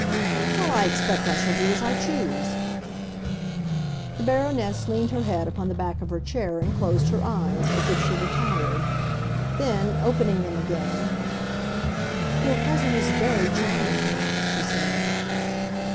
"Well, I expect I shall do as I choose!" The Baroness leaned her head upon the back of her chair and closed her eyes, as if she were tired. Then opening them again, "Your cousin is very charming!" she said.